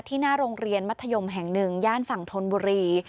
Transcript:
หน้าโรงเรียนมัธยมแห่งหนึ่งย่านฝั่งธนบุรี